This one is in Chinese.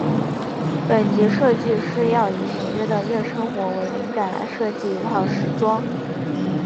本集设计师要以纽约的夜生活为灵感来设计一套时装。